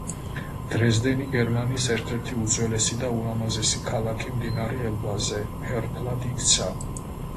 დრეზდენი, გერმანიის ერთ-ერთი უძველესი და ულამაზესი ქალაქი მდინარე ელბაზე, ფერფლად იქცა.